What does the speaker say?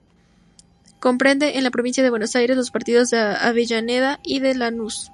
Comprende -en la provincia de Buenos Aires- los partidos de Avellaneda y de Lanús.